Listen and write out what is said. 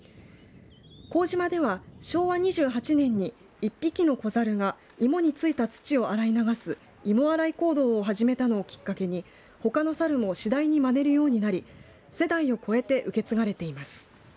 幸島では昭和２８年に１匹の子猿が芋に付いた土を洗い流す芋洗い行動を始めたのをきっかけにほかの猿も次第にまねるようになり世代を超えて受け継がれています。